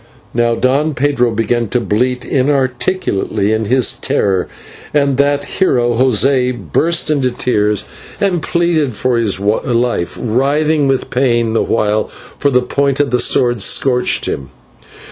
Now Don Pedro began to bleat inarticulately in his terror, and that hero, José, burst into tears and pleaded for his life, writhing with pain the while, for the point of the sword scorched him.